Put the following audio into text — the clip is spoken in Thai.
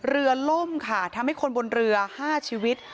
ล่มค่ะทำให้คนบนเรือ๕ชีวิต